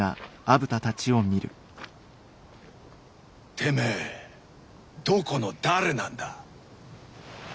てめえどこの誰なんだ？